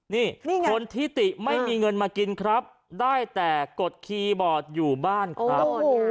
นี่ไงคนที่ติไม่มีเงินมากินครับได้แต่กดคีย์บอร์ดอยู่บ้านครับ